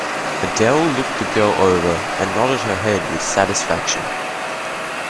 Adele looked the girl over and nodded her head with satisfaction.